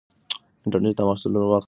انټرنیټ د محصلینو وخت نه ضایع کوي.